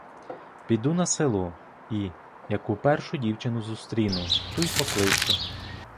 Піду на село і, яку першу дівчину зустріну, ту й покличу.